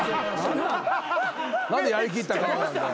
何でやりきった顔なんだよ。